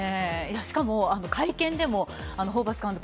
しかも、会見でもホーバス監督